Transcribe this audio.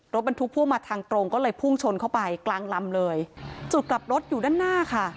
รถบรรทุกพ่วงมาทางตรงก็เลยพุ่งชนเข้าไปกลางลำเลยจุดกลับรถอยู่ด้านหน้าค่ะ